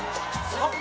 あっ！